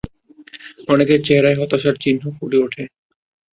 অনেকের চেহারায় হতাশার চিহ্ন ফুটে ওঠে।